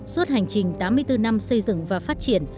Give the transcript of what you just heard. suốt hành trình tám mươi bốn năm xây dựng và phát triển